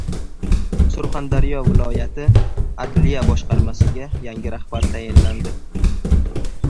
Surxondaryo viloyati adliya boshqarmasiga yangi rahbar tayinlandi